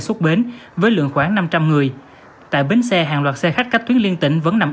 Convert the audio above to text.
xuất bến với lượng khoảng năm trăm linh người tại bến xe hàng loạt xe khách các tuyến liên tỉnh vẫn nằm